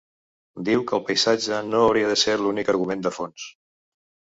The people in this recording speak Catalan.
Diu que el paisatge no hauria de ser l’únic argument de fons.